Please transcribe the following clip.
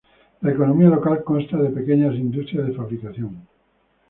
La economía local consta de pequeña industria de fabricación.